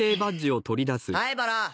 灰原。